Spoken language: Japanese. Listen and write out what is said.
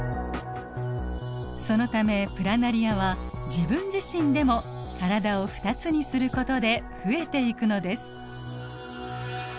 そのためプラナリアは自分自身でも体を２つにすることで増えていくのです。